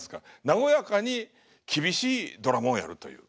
和やかに厳しいドラマをやるという。